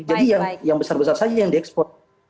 jadi yang besar besar saja yang di ekspos